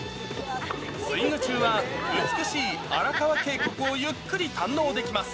スイング中は美しい荒川渓谷をゆっくり堪能できます。